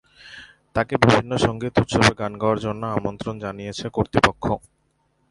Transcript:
তাকে বিভিন্ন সংগীত উৎসবে গান গাওয়ার জন্য আমন্ত্রণ জানিয়েছে কর্তৃপক্ষ।